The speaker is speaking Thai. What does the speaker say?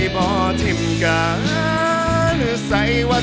ขอบคุณมาก